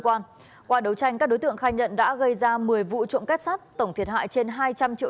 quan qua đấu tranh các đối tượng khai nhận đã gây ra một mươi vụ trộm kết sắt tổng thiệt hại trên hai trăm linh triệu